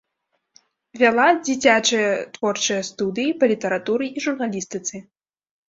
Вяла дзіцячыя творчыя студыі па літаратуры і журналістыцы.